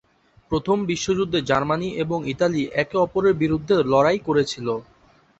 প্রথম বিশ্বযুদ্ধে জার্মানি এবং ইতালি একে অপরের বিরুদ্ধে লড়াই করেছিল।